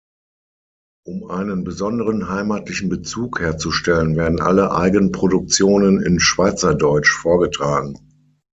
Um einen besonderen heimatlichen Bezug herzustellen, werden alle Eigenproduktionen in Schweizerdeutsch vorgetragen.